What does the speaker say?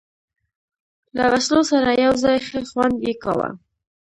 له وسلو سره یو ځای، ښه خوند یې کاوه.